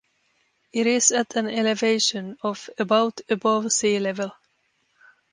It is at an elevation of about above sea level.